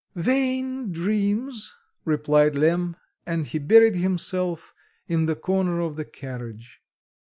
"Vain dreams!" replied Lemm, and he buried himself in the corner of the carriage.